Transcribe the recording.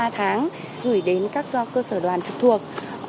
tháng gửi đến các cơ sở đoàn trực thuộc